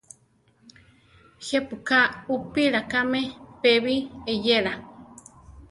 ¿Je pu ka upíla káme pébi eyéla?